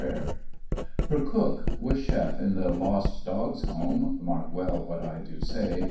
Her cook was chef in the Lost Dogs' HomSy Mark well what I do say.